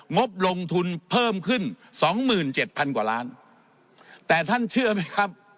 งบลงทุนเพิ่มขึ้นสองหมื่นเจ็ดพันกว่าล้านแต่ท่านเชื่อไหมครับ